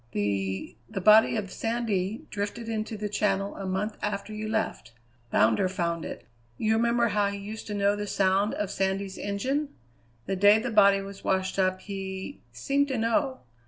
The the body of Sandy drifted into the Channel a month after you left. Bounder found it. You remember how he used to know the sound of Sandy's engine? The day the body was washed up he seemed to know.